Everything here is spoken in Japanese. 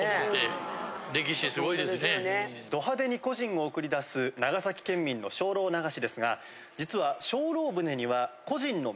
ド派手に故人を送り出す長崎県民の精霊流しですが実は。